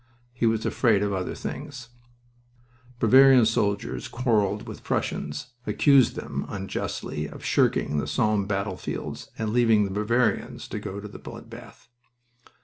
He was afraid of other things. Bavarian soldiers quarreled with Prussians, accused them (unjustly) of shirking the Somme battlefields and leaving the Bavarians to go to the blood bath.